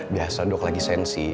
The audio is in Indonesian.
biasa dok lagi sensi